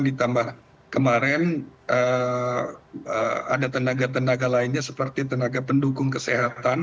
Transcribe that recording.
ditambah kemarin ada tenaga tenaga lainnya seperti tenaga pendukung kesehatan